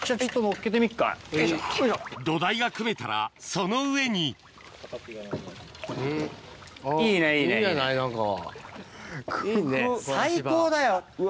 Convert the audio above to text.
土台が組めたらその上にうわ。